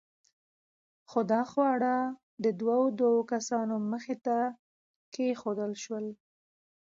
خو دا خواړه د دوو دوو کسانو مخې ته کېښوول شول.